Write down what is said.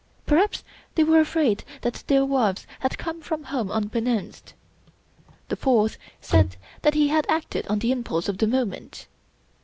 Perhaps they were afraid that their wives had come from Home unbeknownst. The fourth said that he had acted on the impulse of the moment.